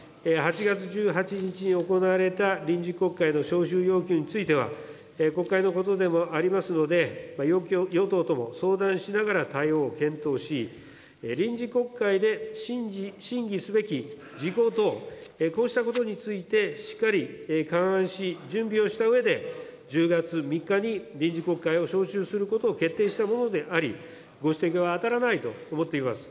８月１８日に行われた臨時国会の召集要求については、国会のことでもありますので、与党とも相談しながら対応を検討し、臨時国会で審議すべき事項等、こうしたことについてしっかり勘案し、準備をしたうえで、１０月３日に臨時国会を召集することを決定したものであり、ご指摘には当たらないと思っております。